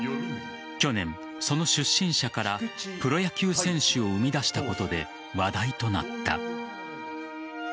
去年、その出身者からプロ野球選手を生み出したことで話題となった。